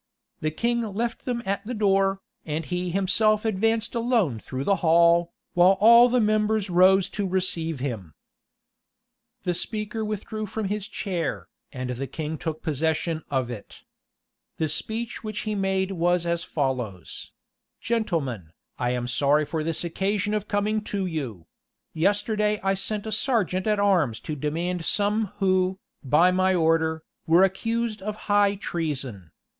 The king left them at the door, and he himself advanced alone through the hall, while all the members rose to receive him. * Whitlocke, p. 50 Rush. vol. v. p. 474, 475. Whitlocke, p. 51. Warwick, p. 204. The speaker withdrew from his chair, and the king took possession of it. The speech which he made was as follows: "Gentlemen, I am sorry for this occasion of coming to you. Yesterday I sent a serjeant at arms to demand some who, by my order, were accused of high treason.